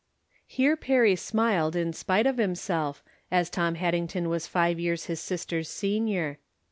Here Perry smiled in spite of himself, as Tom Haddington was five years his sister's senior.